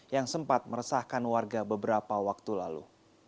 yang sempat meresahkan warga beberapa waktu lalu